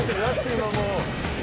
今もう。